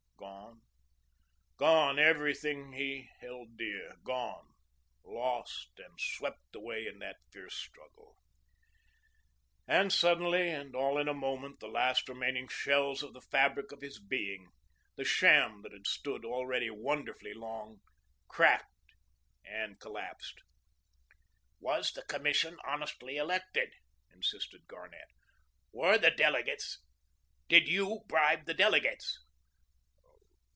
Gone, gone, everything he held dear, gone, lost, and swept away in that fierce struggle. And suddenly and all in a moment the last remaining shells of the fabric of his being, the sham that had stood already wonderfully long, cracked and collapsed. "Was the Commission honestly elected?" insisted Garnett. "Were the delegates did you bribe the delegates?"